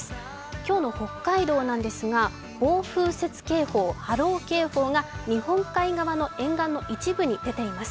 今日の北海道ですが、暴風雪警報波浪警報が日本海側の沿岸の一部に出ています。